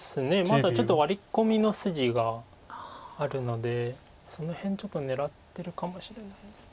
まだちょっとワリコミの筋があるのでその辺ちょっと狙ってるかもしれないです。